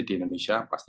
harapan kami yang pasti